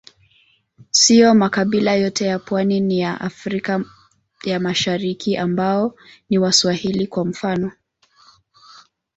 Siyo makabila yote ya pwani ya Afrika ya Mashariki ambao ni Waswahili, kwa mfano.